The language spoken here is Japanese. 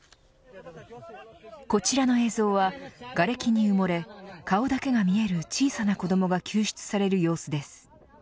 こちらの映像はがれきに埋もれ顔だけが見える小さな子どもが救出される様子です。